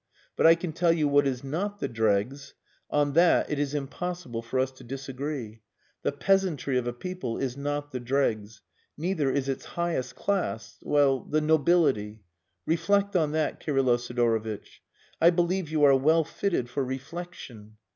But I can tell you what is not the dregs. On that it is impossible for us to disagree. The peasantry of a people is not the dregs; neither is its highest class well the nobility. Reflect on that, Kirylo Sidorovitch! I believe you are well fitted for reflection.